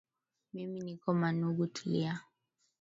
mimi niko manungu tulia